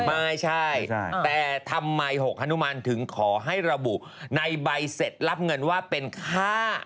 ไม่ใช่แต่ทำไมหกฮนุมันถึงขอให้ระบุในใบเสร็จรับเงินว่าเป็นค่า